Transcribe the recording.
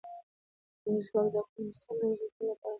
لمریز ځواک د افغانستان د اوږدمهاله پایښت لپاره مهم رول لري.